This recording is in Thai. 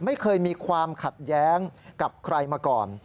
ไม่เคยมีความขัดแย้งกับใครมาก่อน